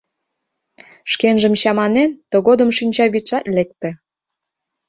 Шкенжым чаманен, тыгодым шинчавӱдшат лекте.